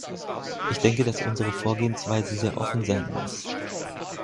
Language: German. Ich denke, dass unsere Vorgehensweise sehr offen sein muss.